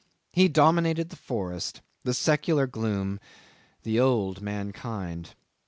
He dominated the forest, the secular gloom, the old mankind.